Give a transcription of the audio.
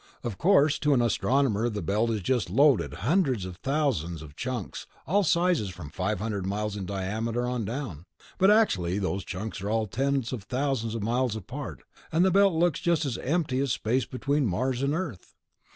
"Of course, to an astronomer the Belt is just loaded ... hundreds of thousands of chunks, all sizes from five hundred miles in diameter on down. But actually, those chunks are all tens of thousands of miles apart, and the Belt looks just as empty as the space between Mars and Earth."